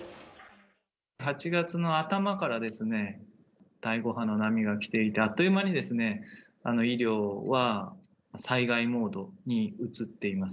８月の頭からですね、第５波の波が来て、あっという間に医療は災害モードに移っています。